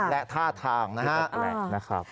และท่าทางนะครับ